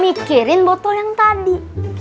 mikirin botol yang tadi